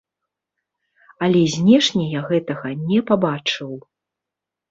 Але знешне я гэтага не пабачыў.